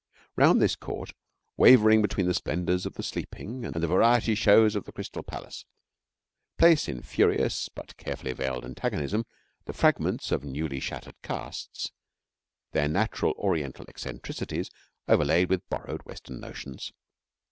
Round this Court, wavering between the splendours of the sleeping and the variety shows of the Crystal Palace, place in furious but carefully veiled antagonism the fragments of newly shattered castes, their natural Oriental eccentricities overlaid with borrowed Western notions.